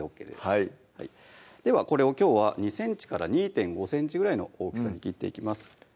はいではこれをきょうは２ｃｍから２．５ｃｍぐらいの大きさに切っていきます